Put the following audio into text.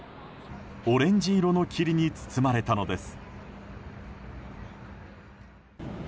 オレンジ色の霧に包まれたのです。